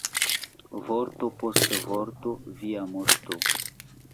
Vorto post vorto, Via moŝto!